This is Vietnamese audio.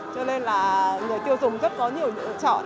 cho nên là người tiêu dùng rất có nhiều lựa chọn